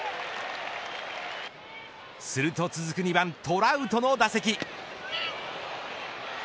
すると続く２番トラウトの打席。